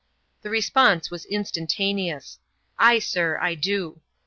The response was instantaneous :" Ay, sir, I do."